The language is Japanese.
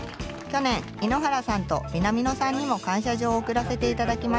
去年井ノ原さんと南野さんにも感謝状を贈らせて頂きました。